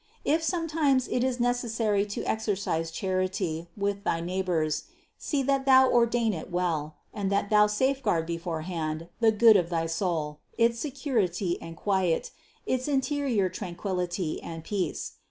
If sometimes it is necessary to exercise charity with thy neighbors, see that thou or dain it well and that thou safeguard beforehand the good of thy soul, its security and quiet, its interior tranquillity and peace.